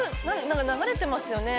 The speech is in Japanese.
何か流れてますよね。